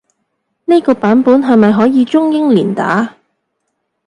呢個版本係咪可以中英連打？